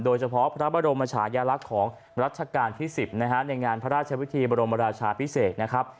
โดยเฉพาะพระบรมชายลักษณ์ของรัชกาลที่๑๐นะฮะในงานพระราชวิธีบรมราชาพิเศษนะครับ